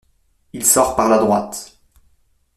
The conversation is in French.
Il sort par la droite.